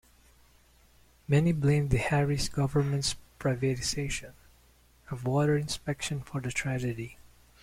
Many blamed the Harris government's privatization of water inspection for the tragedy.